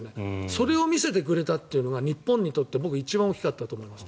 それを見せてくれたというのが日本にとって僕一番大きかったと思います。